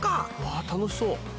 わ楽しそう。